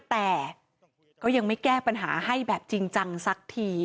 แต่ก็ยังไม่แก้ปัญหาให้แบบจริงจังสักที